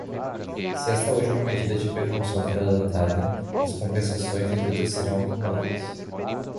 Se esta última medida de precaução for adotada, as compensações devidas serão acumuladas.